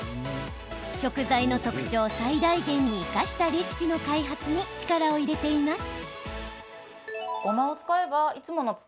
食材の特徴を最大限に生かしたレシピの開発に力を入れています。